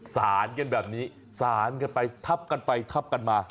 สารกันแบบนี้สารกันไปทับกันไปทับกันมา